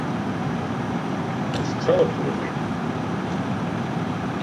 Исцәалаӡуазеи.